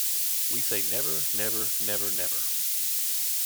We say never, never, never, never!